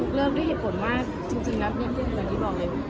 ยกเลิกด้วยเหตุผลว่าจริงจริงนะพี่บอกเลยอืม